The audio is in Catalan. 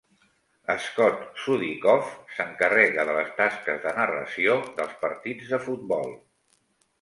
Scott Sudikoff s'encarrega de les tasques de narració dels partits de futbol.